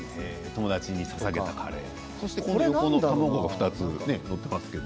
友達にささげたカレー卵が２つ載っていますけど。